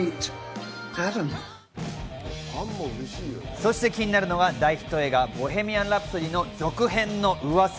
そして気になるのは大ヒット映画『ボヘミアン・ラプソディ』の続編のうわさ。